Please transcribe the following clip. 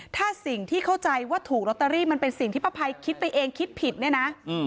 ถ้าสิ่งที่เข้าใจว่าถูกลอตเตอรี่มันเป็นสิ่งที่ป้าภัยคิดไปเองคิดผิดเนี่ยนะ